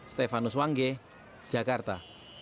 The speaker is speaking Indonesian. stefanus wangge jakarta